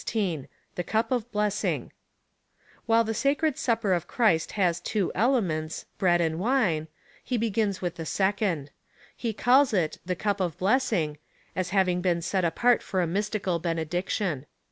The cup of blessing. While the sacred Supper of Christ has two elements — bread and wine — he begins with the second. He calls it, the cup of blessing, as having been set apart for a mystical benediction.